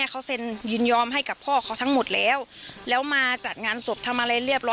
หนูใช้จ่ายไปพอ